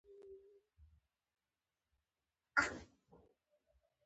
اقتصادي ډیپلوماسي د توکو او خدماتو نړیواله سوداګرۍ او پانګې حرکت څیړي